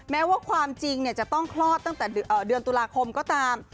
แม้ว่าความจริงจะต้องคลอดตั้งแต่เดือนตุลาคมก็ตาม